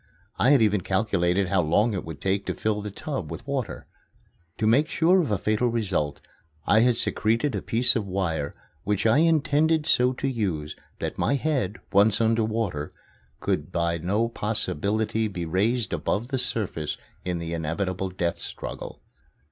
I had even calculated how long it would take to fill the tub with water. To make sure of a fatal result, I had secreted a piece of wire which I intended so to use that my head, once under water, could by no possibility be raised above the surface in the inevitable death struggle.